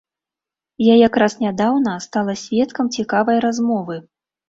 Я як раз нядаўна стала сведкам цікавай размовы.